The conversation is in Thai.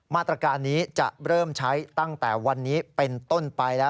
มาตรการนี้จะเริ่มใช้ตั้งแต่วันนี้เป็นต้นไปแล้ว